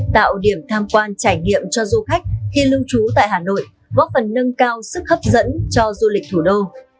tạo điểm tham quan trải nghiệm cho du khách khi lưu trú tại hà nội góp phần nâng cao sức hấp dẫn cho du lịch thủ đô